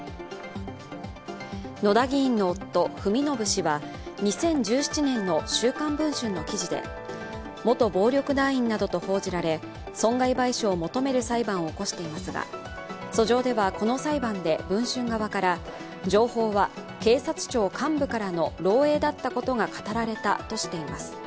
野田議員の夫・文信氏は２０１７年の「週刊文春」の記事で元暴力団員などと報じられ損害賠償を求める裁判を起こしていますが訴状では、この裁判で文春側から情報は、警察庁幹部からの漏えいだったことが語られたとしています。